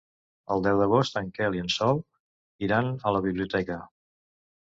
El deu d'agost en Quel i en Sol iran a la biblioteca.